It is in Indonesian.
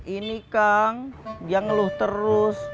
ini kang yang ngeluh terus